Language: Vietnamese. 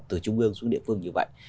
từ trung ương xuống địa phương như vậy